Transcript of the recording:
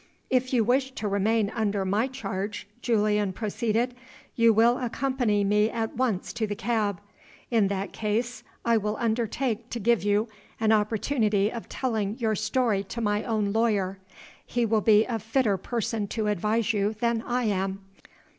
"If you wish to remain under my charge," Julian proceeded, "you will accompany me at once to the cab. In that case I will undertake to give you an opportunity of telling your story to my own lawyer. He will be a fitter person to advise you than I am.